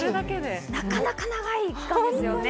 なかなか長い期間ですよね。